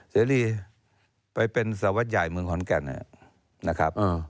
เสรีไปเป็นสวัสดิ์ใหญ่เมืองขอนแก่นนะครับ